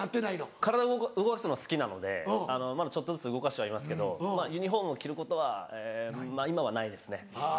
体を動かすのは好きなのでちょっとずつ動かしてはいますけどユニホームを着ることは今はないですね。